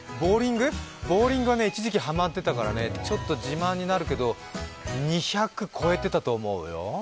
ボウリング、一時期ハマってたからちょっと自慢になるけど２００超えてたと思うよ。